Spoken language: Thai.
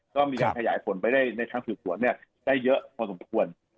ก็มีอย่างขยายผลไปได้ในชั้นสื่อส่วนเนี่ยได้เยอะพอสมควร